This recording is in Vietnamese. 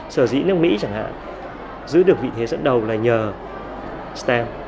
sở dĩ nước mỹ chẳng hạn giữ được vị thế dẫn đầu là nhờ stem